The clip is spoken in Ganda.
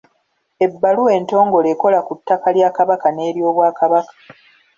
Ebbaluwa entongole ekola ku ttaka lya Kabaka n’ery’Obwakabaka.